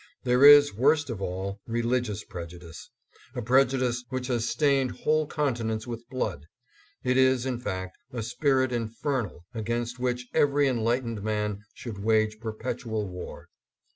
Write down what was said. There is, worst of all, religious preju dice, a prejudice which has stained whole continents with blood. It is, in fact, a spirit infernal, against which every enlightened man should wage perpetual war.